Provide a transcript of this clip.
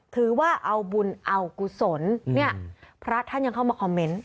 ถือว่าเอาบุญเอากุศลเนี่ยพระท่านยังเข้ามาคอมเมนต์